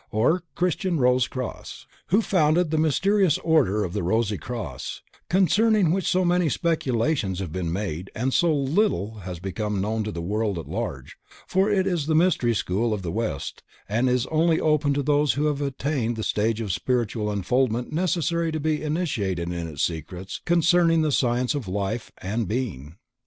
or Christian Rose Cross. who founded the mysterious Order of the Rosy Cross, concerning which so many speculations have been made and so little has become known to the world at large, for it is the Mystery school of the West and is only open to those who have attained the stage of spiritual unfoldment necessary to be initiated in its secrets concerning the Science of Life and Being.